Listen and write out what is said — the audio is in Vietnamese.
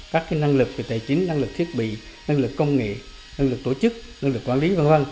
các năng lực về tài chính năng lực thiết bị năng lực công nghệ năng lực tổ chức năng lực quản lý v v